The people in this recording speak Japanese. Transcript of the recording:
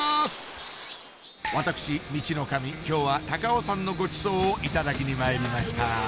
私ミチノカミ今日は高尾山のごちそうをいただきにまいりました